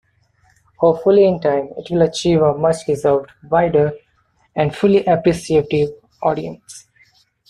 Hopefully in time it will achieve a much-deserved wider and fully appreciative audience.